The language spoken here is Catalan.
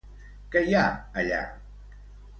Què hi ha allà?